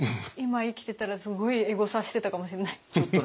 今生きてたらすごいエゴサしてたかもしれない。